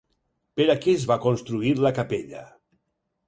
Per a què es va construir la capella?